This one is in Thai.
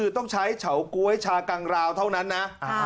ต้องใช้เฉาก๊วยชากังราวเท่านั้นนะ